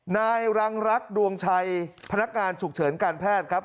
นายรังรักษ์ดวงชัยพนักงานฉุกเฉินการแพทย์ครับ